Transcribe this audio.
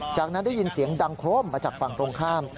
จากนั้นได้ยินเสียงดังโครมมาจากฝั่งตรงข้าม